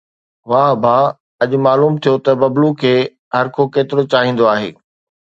واهه ڀاءُ، اڄ معلوم ٿيو ته ببلو کي هر ڪو ڪيترو چاهيندو آهي